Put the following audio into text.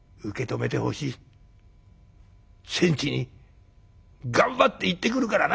戦地に頑張っていってくるからな！